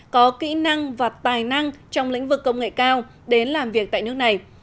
có kỹ năng và tài năng trong lĩnh vực công nghệ cao đến làm việc tại nước này